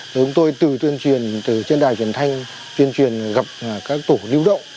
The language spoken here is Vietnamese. chúng tôi từ tuyên truyền trên đài truyền thanh tuyên truyền gặp các tổ lưu động